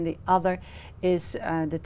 nếu nó ở trung tâm